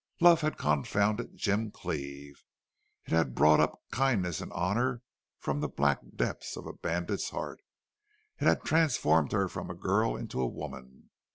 Love had confounded Jim Cleve; it had brought up kindness and honor from the black depths of a bandit's heart; it had transformed her from a girl into a woman.